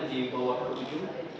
dibawa ke ujung